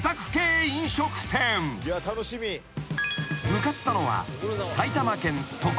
［向かったのは］